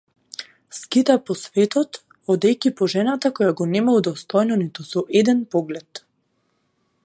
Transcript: Скита по светот, одејќи по жената која го нема удостоено ниту со еден поглед.